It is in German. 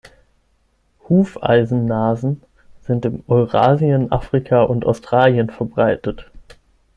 Hufeisennasen sind in Eurasien, Afrika und Australien verbreitet.